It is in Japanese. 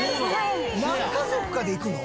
何家族かで行くの？